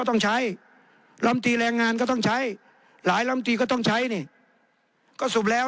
ต้องใช้ลำตีแรงงานก็ต้องใช้หลายลำตีก็ต้องใช้นี่ก็สรุปแล้ว